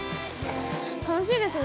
楽しいですね。